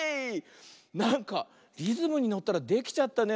なんかリズムにのったらできちゃったね。